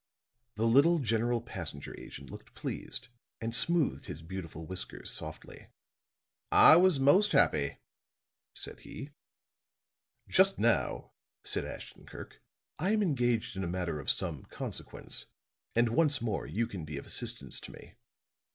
The little General Passenger Agent looked pleased and smoothed his beautiful whiskers softly. "I was most happy," said he. "Just now," said Ashton Kirk, "I am engaged in a matter of some consequence, and once more you can be of assistance to me."